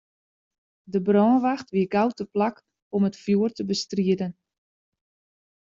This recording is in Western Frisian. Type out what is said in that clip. De brânwacht wie gau teplak om it fjoer te bestriden.